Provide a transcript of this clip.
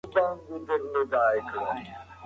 تصویر جوړوونکی اې ای انګېرنه کوي.